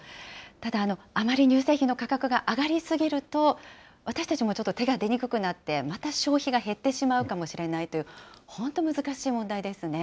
ただ、あまり乳製品の価格が上がりすぎると、私たちもちょっと、手が出にくくなって、また消費が減ってしまうかもしれないという、本当、難しい問題ですね。